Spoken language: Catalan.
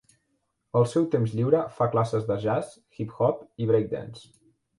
Al seu temps lliure fa classes de jazz, hip-hop i break dance.